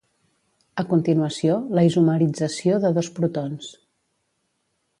A continuació, la isomerització de dos protons.